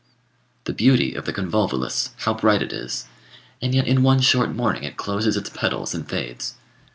The beauty of the convolvulus, how bright it is! and yet in one short morning it closes its petals and fades.